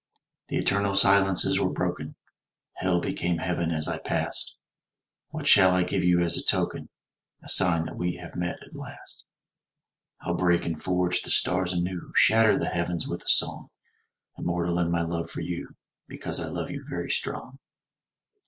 The eternal silences were broken; Hell became Heaven as I passed. What shall I give you as a token, A sign that we have met, at last? I'll break and forge the stars anew, Shatter the heavens with a song; Immortal in my love for you, Because I love you, very strong.